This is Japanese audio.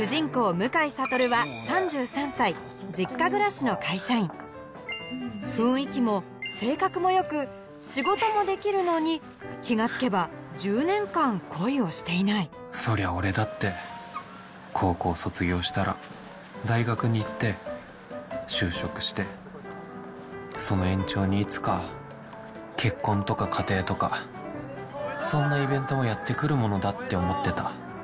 向井悟は３３歳実家暮らしの会社員気が付けば１０年間恋をしていないそりゃ俺だって高校を卒業したら大学に行って就職してその延長にいつか結婚とか家庭とかそんなイベントもやって来るものだって思ってた。